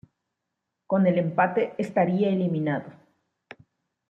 Con el empate estaría eliminado.